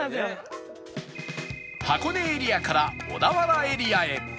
箱根エリアから小田原エリアへ